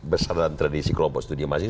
besaran tradisi kelompok studiomasi